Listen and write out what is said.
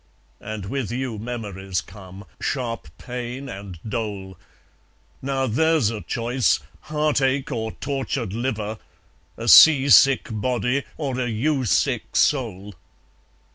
And with you memories come, sharp pain, and dole. Now there's a choice heartache or tortured liver! A sea sick body, or a you sick soul!